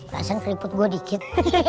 rasanya keliput gua dikit